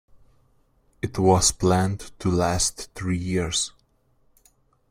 It was planned to last three years.